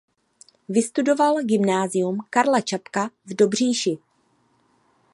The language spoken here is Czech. Vystudoval Gymnázium Karla Čapka v Dobříši.